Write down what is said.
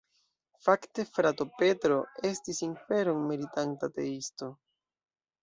Fakte frato Petro estis inferon meritanta ateisto.